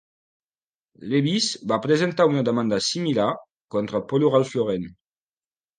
Levi's va presentar una demanda similar contra Polo Ralph Lauren.